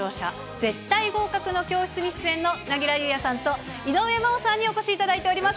絶対合格の教室に出演の柳楽優弥さんと井上真央さんにお越しいただいております。